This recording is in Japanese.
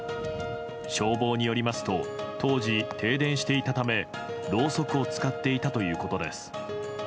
消防によりますと当時、停電していたためろうそくを使っていたということです。